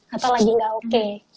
atau lagi gak oke